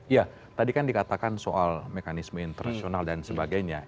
ya tadi kan dikatakan soal mekanisme internasional dan sebagainya